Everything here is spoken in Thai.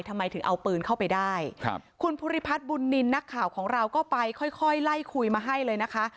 ทำไมถึงเอาปืนเข้าไปได้ครับคุณภูริพัฒน์บุญนินทร์นักข่าวของเราก็ไปค่อยค่อยไล่คุยมาให้เลยนะคะ